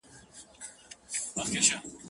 دا د وخت په افسانو کي زورور دی